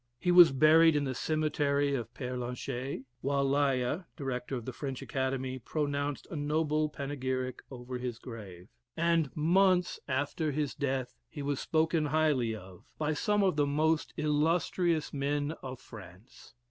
He was buried in the cemetery of Pere Lachaise, when Laya, Director of the French Academy, pronounced a noble panegyric over his grave; and months after his death he was spoken highly of by some of the most illustrious men of France.